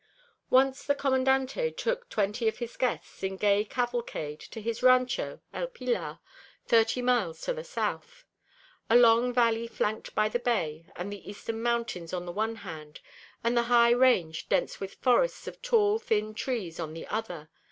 Once the Commandante took twenty of his guests, a gay cavalcade, to his rancho, El Pilar, thirty miles to the south: a long valley flanked by the bay and the eastern mountains on the one hand, and a high range dense with forests of tall thin trees on the other.